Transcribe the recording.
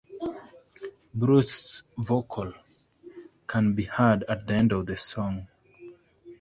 Bruce's vocals can be heard at the end of the song.